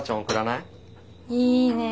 いいね。